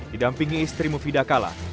didampingi istrimu fida kalam